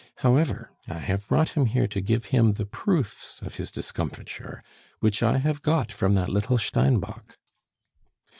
However, I have brought him here to give him the proofs of his discomfiture, which I have got from that little Steinbock."